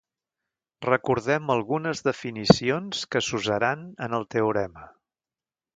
Recordem algunes definicions que s'usaran en el teorema.